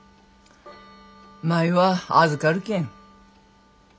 舞は預かるけん。